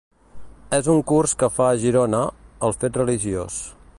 És un curs que fa a Girona: “El fet religiós”.